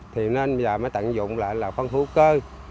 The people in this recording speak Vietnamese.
thì nên bây giờ mới tận dụng lại là phân hữu cơ